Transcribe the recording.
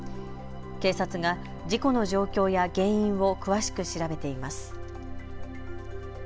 警察が事故の状況や原因を詳しく調べています。